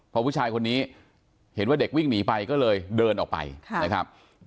พอผู้ชายคนนี้เห็นว่าเด็กวิ่งหนีไปก็เลยเดินออกไปนะครับ